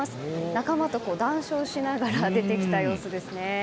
仲間と談笑しながら出てきた様子ですね。